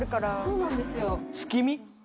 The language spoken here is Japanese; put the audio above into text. そうなんですよ。